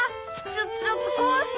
ちょちょっと功介！